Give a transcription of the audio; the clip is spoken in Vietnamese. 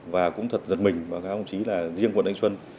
và cũng thật giật mình và các ông chí là riêng quận thanh xuân